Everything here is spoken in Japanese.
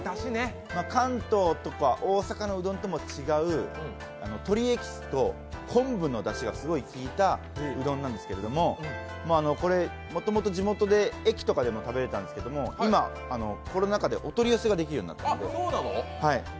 関東とか大阪のうどんとも違う鶏エキスと昆布のだしがすごくきいたうどんなんですけどもともと地元で駅とかでも食べれたんですけど、今、コロナ禍でお取り寄せができるようになったんです。